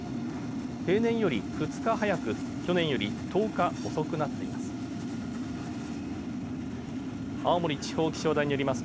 平年より２日早く去年より１０日遅くなっています。